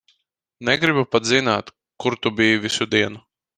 Negribu pat zināt, kur tu biji visu dienu.